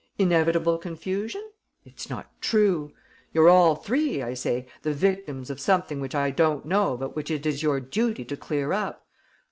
Inevitable confusion? It's not true. 'You're all three,' I say, 'the victims of something which I don't know but which it is your duty to clear up!'